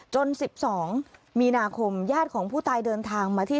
๑๒มีนาคมญาติของผู้ตายเดินทางมาที่